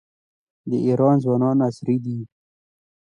د ایران ځوانان عصري دي.